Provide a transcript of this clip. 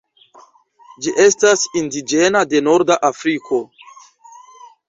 Ĝi estas indiĝena de norda Afriko.